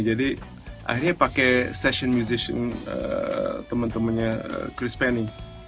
jadi akhirnya pake session musician temen temennya chris penny